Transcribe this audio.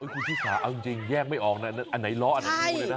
คุณชิสาเอาจริงแยกไม่ออกนะอันไหนล้ออันไหนดูเลยนะ